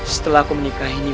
setelah aku menikah ini